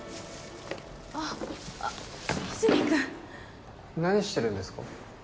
あっ和泉君何してるんですか？